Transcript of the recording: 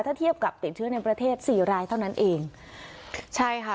ถ้าเทียบกับติดเชื้อในประเทศสี่รายเท่านั้นเองใช่ค่ะ